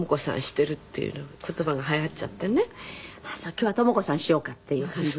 「今日は朋子さんしようか」っていう感じなの？